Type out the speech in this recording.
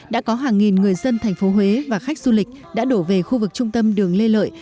đã có hàng nghìn người dân thành phố huế và khách du lịch đã đổ về khu vực trung tâm đường lê lợi